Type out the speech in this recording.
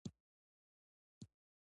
ملا دي وینم چی کږه ده له بارونو